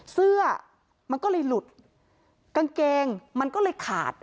เสื้อมันก็เลยหลุดกางเกงมันก็เลยขาด